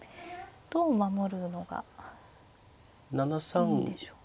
どう守るのがいいんでしょう。